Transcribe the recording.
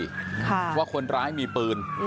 ว่าคนร้ายมีปืน